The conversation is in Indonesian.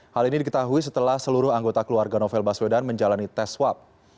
hal ini diketahui setelah seluruh anggota keluarga novel baswedan menjalani tes swab